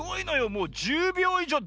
もう１０びょういじょう